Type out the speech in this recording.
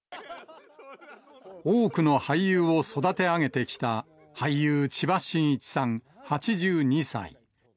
多くの俳優を育て上げてきた、俳優、千葉真一さん８２歳。